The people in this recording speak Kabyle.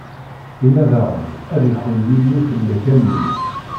Inna daɣen: Ad iḥunn Yillu fell-ak, a mmi!